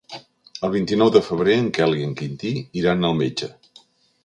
El vint-i-nou de febrer en Quel i en Quintí iran al metge.